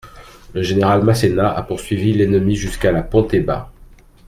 Le général Masséna a poursuivi l'ennemi jusqu'à la Ponteba.